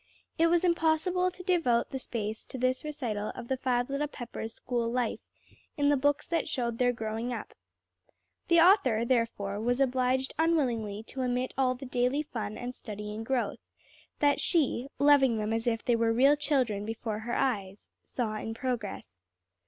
It was impossible to devote the space to this recital of the Five Little Peppers' school life, in the books that showed their growing up. The author, therefore, was obliged unwillingly to omit all the daily fun and study and growth, that she, loving them as if they were real children before her eyes, saw in progress.